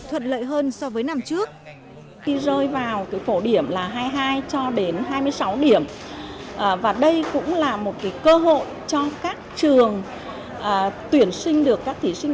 thuận lợi hơn so với năm trước